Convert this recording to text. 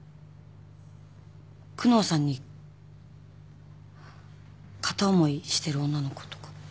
久能さんに片思いしてる女の子とか。